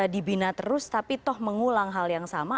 dibina terus tapi toh mengulang hal yang sama